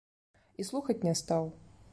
І слухаць не стаў.